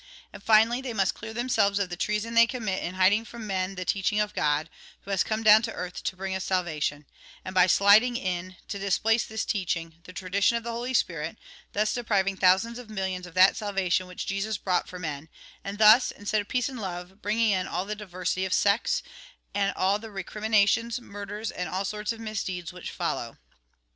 And finally, they must clear themselves of the treason they commit in hiding from men the teaching of God, who has come down to earth to bring us salvation ; and by sliding in, to displace this teaching, the tradition of the Holy Spirit, thus depriving thousands of millions of that salvation which Jesus brought for men ; and thus, instead of peace and love, bringing in all the diversity of sects, and all the recrimina tions, murders, and all sorts of misdeeds which follow.